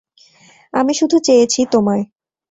আমি শুধু চেয়েছি তোমায়।